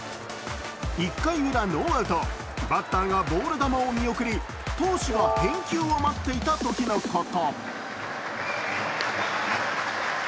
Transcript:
１回ウラ、ノーアウト、バッターがボ−ル球を見送り、投手が返球を待っていたときのこと。